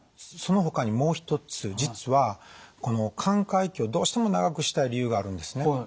その他にもう一つ実はこの寛解期をどうしても長くしたい理由があるんですね。